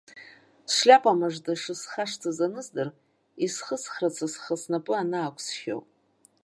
Сшлиапа мыжда шысхашҭыз аныздыр, исхысхрацы схы снапы анаақәсшь ауп.